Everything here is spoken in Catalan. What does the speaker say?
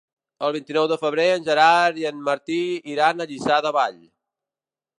El vint-i-nou de febrer en Gerard i en Martí iran a Lliçà de Vall.